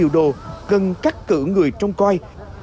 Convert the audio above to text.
đồ cần cắt cử người trông coi